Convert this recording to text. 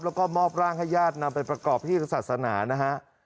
แล้วก็มอบร่างให้ญาตินำไปประกอบพิธีศาสนานะฮะ